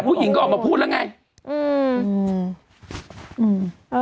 ผู้หญิงก็ออกมาพูดแล้วไง